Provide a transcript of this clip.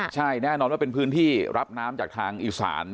ใช่แน่นอนว่าเป็นพื้นที่รับน้ำจากทางอีสาน